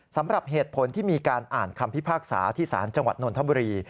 สำหรับเหตุผลที่มีการอ่านคำพิพากษาที่ศาลจังหวัดนนทบุรี